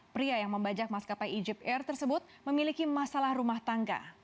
pria yang membajak maskapai egyp air tersebut memiliki masalah rumah tangga